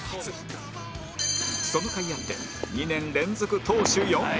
そのかいあって２年連続投手４冠